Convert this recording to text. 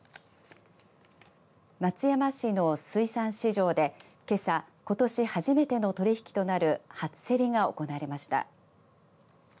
松山市の水産市場でけさ、ことし初めての取り引きとなる初競りが行われました。